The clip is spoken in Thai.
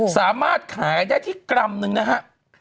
สามารถขายได้ที่กรัมนึงนะฮะ